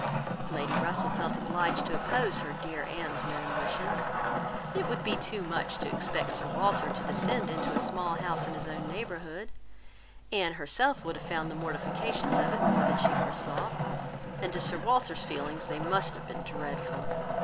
Lady Russell felt obliged to oppose her dear Anne's known wishes. It would be too much to expect Sir Walter to descend into a small house in his own neighbourhood. Anne herself would have found the mortifications of it more than she foresaw, and to Sir Walter's feelings they must have been dreadful.